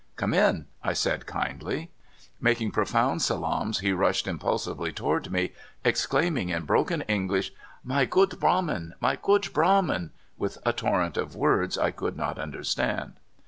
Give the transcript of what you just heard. " Come in," 1 said kindly. (12) CISSAIIA. 13 Making profound salaams, he ruslied impulsive ly toward me, exclaiming in broken English: "My good brahmin!" "My good brahmin!" with a torrent of words I could not understand.